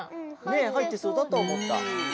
ねえはいってそうだとはおもった。